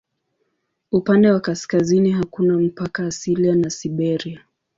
Upande wa kaskazini hakuna mpaka asilia na Siberia.